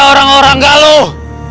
hei orang orang galuh